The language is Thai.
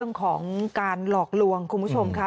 เรื่องของการหลอกลวงคุณผู้ชมค่ะ